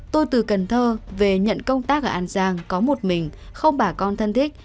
tôi từ cần thơ về nhận công tác ở an giang có một mình không bà con thân thích